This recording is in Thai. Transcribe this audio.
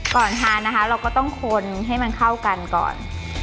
ก่อนทานนะคะเราก็ต้องคนให้มันเข้ากันก่อน